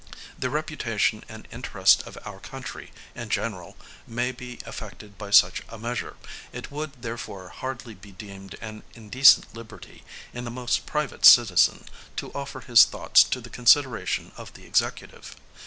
The reputation and interest of our country, in general, may be affected by such a measure; it would, therefore, hardly be deemed an indecent liberty, in the most private citizen, to offer his thoughts to the consideration of the Executive.